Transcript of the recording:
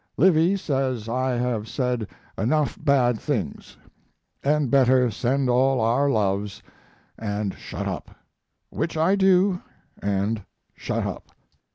Livy says I have said enough bad things, and better send all our loves & shut up. Which I do and shut up.